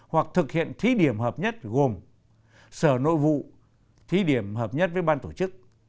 hoặc thực hiện thí điểm hợp nhất gồm sở nội vụ thí điểm hợp nhất với ban tổ chức